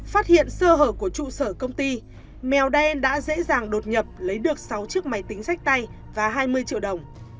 phát hiện sơ hở của trụ sở công ty mèo đen đã dễ dàng đột nhập lấy được sáu chiếc máy tính sách tay và hai mươi triệu đồng